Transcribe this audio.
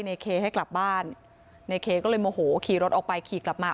ในเคให้กลับบ้านในเคก็เลยโมโหขี่รถออกไปขี่กลับมา